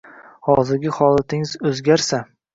Hozirgi holatingiz o’zgarsa